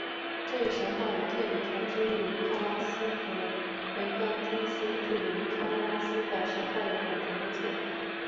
这一神话与特里同之女帕拉斯和癸干忒斯巨灵帕拉斯的神话有混同之处。